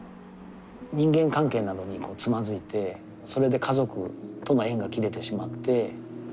人間関係などにつまずいてそれで家族との縁が切れてしまって。